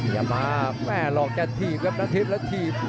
ยามาแม่หลอกกันทีบครับนัทธิบนัทธิบ